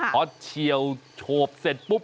พอเฉียวโฉบเสร็จปุ๊บ